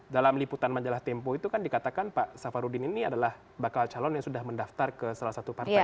dalam liputan majalah tempo itu kan dikatakan pak safarudin ini adalah bakal calon yang sudah mendaftar ke salah satu partai